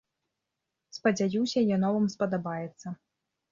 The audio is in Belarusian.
Спадзяюся, яно вам спадабаецца.